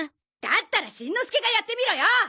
だったらしんのすけがやってみろよ！